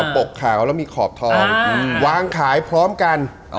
ปกขาวแล้วมีขอบทองวางขายพร้อมกัน